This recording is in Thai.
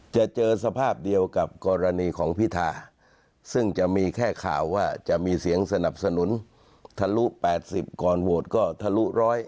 จะเจอสภาพเดียวกับกรณีของพิธาซึ่งจะมีแค่ข่าวว่าจะมีเสียงสนับสนุนทะลุ๘๐ก่อนโหวตก็ทะลุ๑๐